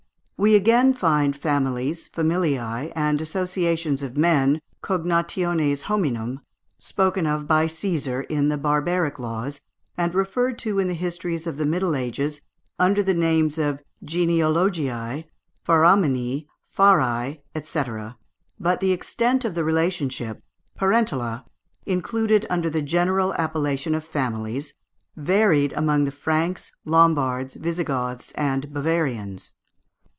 We again find families (familiæ) and associations of men (cognationes hominum) spoken of by Cæsar, in the barbaric laws, and referred to in the histories of the Middle Ages under the names of genealogiæ, faramanni, faræ, &c. but the extent of the relationship (parentela) included under the general appellation of families varied amongst the Franks, Lombards, Visigoths, and Bavarians.